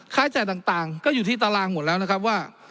จ่ายต่างก็อยู่ที่ตารางหมดแล้วนะครับว่า